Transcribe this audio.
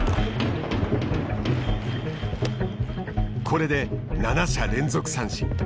これで７者連続三振。